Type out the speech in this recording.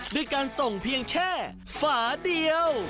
ด้วยการส่งเพียงแค่ฝาเดียว